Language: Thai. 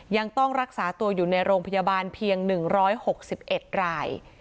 ยังต้องรักษาตัวอยู่ในโรงพยาบาลเพียง๑๖๑ราย